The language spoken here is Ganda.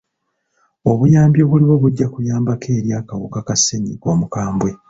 Obuyambi obuliwo bujja kuyambako eri akawuka ka ssenyiga omukambwe.